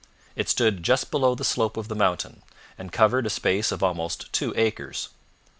It stood just below the slope of the mountain, and covered a space of almost two acres.